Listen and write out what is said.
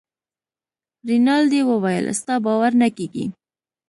رینالډي وویل ستا باور نه کیږي.